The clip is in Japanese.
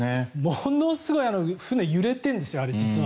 ものすごい船、揺れてるんですよ、実は。